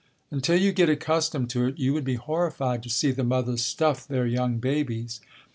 Until you get accustomed to it you would be horrified to see the mothers stuff their young babies.